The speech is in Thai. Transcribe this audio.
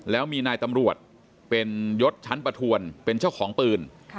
แล้วมีนายตำรวจเป็นยศชั้นประทวนเป็นเจ้าของปืน